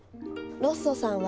ロッソさん